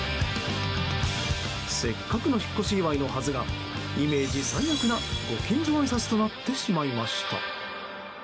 せっかくの引っ越し祝いのはずがイメージ最悪なご近所あいさつとなってしまいました。